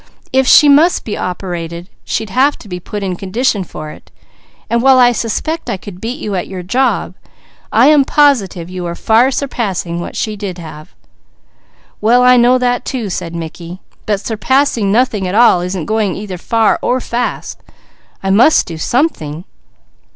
If she must be operated, she'd have to be put in condition for it; and while I suspect I could beat you at your job, I am positive you are far surpassing what she did have." "Well I know that too," said Mickey. "But surpassing nothing at all isn't going either far or fast. I must do something."